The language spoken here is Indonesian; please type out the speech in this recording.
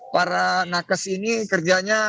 para nakes ini kerjanya